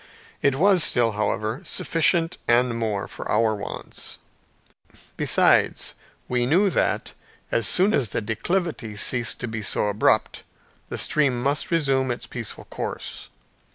It was still, however, sufficient, and more, for our wants. Besides we knew that, as soon as the declivity ceased to be so abrupt, the stream must resume its peaceful course.